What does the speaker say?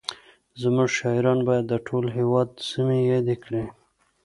زموږ شاعران باید د ټول هېواد سیمې یادې کړي